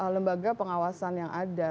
lembaga pengawasan yang ada